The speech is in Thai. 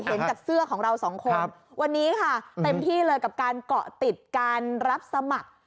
เห็นจากเสื้อของเราสองคนวันนี้ค่ะเต็มที่เลยกับการเกาะติดการรับสมัคร